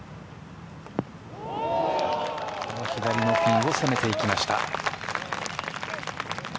これも左のピンを攻めていきました。